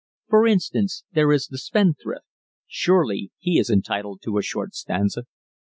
For instance, there is the spendthrift; surely he is entitled to a short stanza.